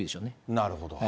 なるほど。